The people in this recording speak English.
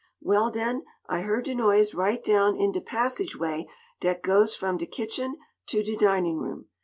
"Well, den, I heard de noise right down in de passageway dat goes from de kitchen to de dinin' room.